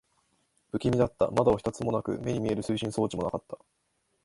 不気味だった。窓は一つもなく、目に見える推進装置もなかった。